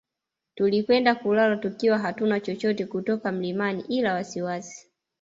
Tulikwenda kulala tukiwa hatuna chochote kutoka mlimani ila wasiwasi